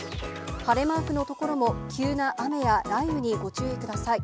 晴れマークの所も、急な雨や雷雨にご注意ください。